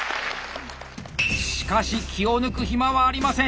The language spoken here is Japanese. しかし気を抜く暇はありません。